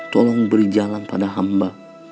tolong beri jalan pada hamba